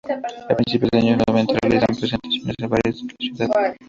A principios de los años noventa realizan presentaciones en bares de la ciudad.